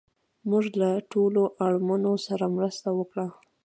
موږ له ټولو اړمنو سره مرسته وکړه